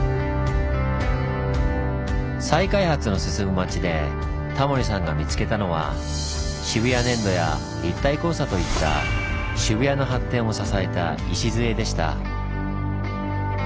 再開発の進む街でタモリさんが見つけたのは渋谷粘土や立体交差といった渋谷の発展を支えた礎でした。